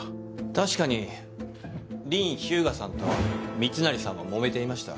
確かに林秘羽我さんと密成さんはもめていました。